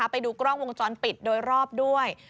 ไปดูกล้องวงจรปิดโดยรอบด้วย